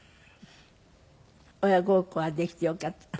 親孝行ができてよかった。